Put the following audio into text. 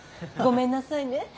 ごめんなさいね。